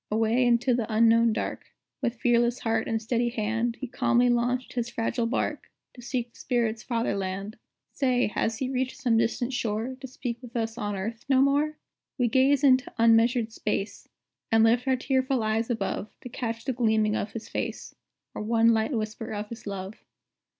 Away, into the unknown dark, With fearless heart and steady hand, He calmly launched his fragile bark, To seek the spirits' Father Land. Say, has he reached some distant shore. To speak with us on earth no more? We gaze into unmeasured space, And lift our tearful eyes above, To catch the gleaming of his face, Or one light whisper of his love.